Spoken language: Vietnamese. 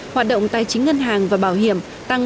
hoạt động tài chính ngân hàng và bảo hiểm tăng tám sáu mươi hai